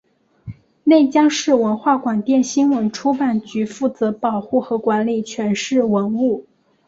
内江市文化广电新闻出版局负责保护和管理全市文物。